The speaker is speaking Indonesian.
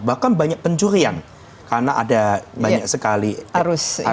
bahkan banyak pencurian karena ada banyak sekali arus